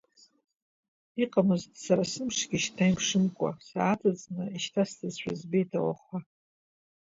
Иҟамызт сара сымшгьы шьҭа имшымкәа, сааҵыҵны ишьҭасҵазшәа збеит ауахәа.